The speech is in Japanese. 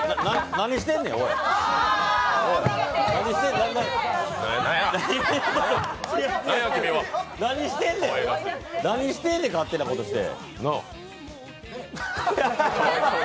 何してんねん、何してんねん、勝手なことして。